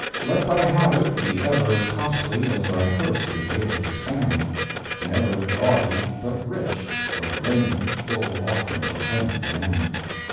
Let thy habit be ever as costly As thy purse is able to span; Never gaudy but rich—for the raiment Full often proclaimeth the man.